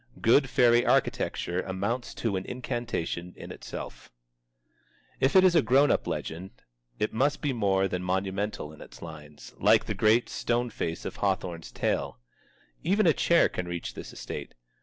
Good fairy architecture amounts to an incantation in itself. If it is a grown up legend, it must be more than monumental in its lines, like the great stone face of Hawthorne's tale. Even a chair can reach this estate.